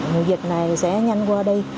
mùa dịch này sẽ nhanh qua đi